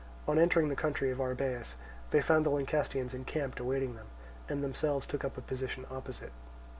On entering the country of Arrhabaeus, they found the Lyncestians encamped awaiting them, and themselves took up a position opposite.